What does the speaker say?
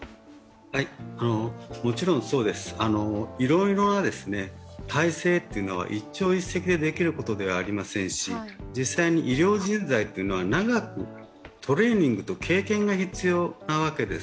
もちろんそうです、いろいろな体制というのは一朝一夕でできることではありませんし実際に医療人材は長くトレーニングと経験が必要なわけです。